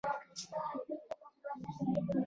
که یو اړخیزه وه پانګه سل سلنه برابروله.